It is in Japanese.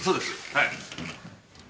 はい。